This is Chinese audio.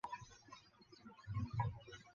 珀斯内克是德国图林根州的一个市镇。